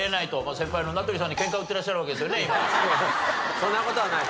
そんな事はない。